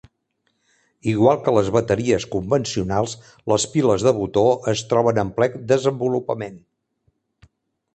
Igual que les bateries convencionals, les piles de botó es troben en ple desenvolupament.